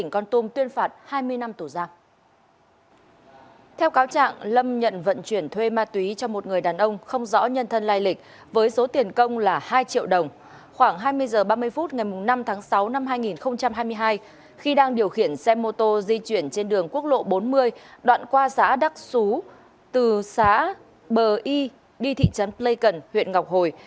khoảng hai mươi h ba mươi phút ngày năm tháng sáu năm hai nghìn hai mươi hai khi đang điều khiển xe mô tô di chuyển trên đường quốc lộ bốn mươi đoạn qua xã đắc xú từ xã bờ y đi thị trấn lê cần huyện ngọc hồi